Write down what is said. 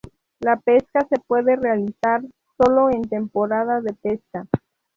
La pesca se puede realizar solo en temporada de pesca.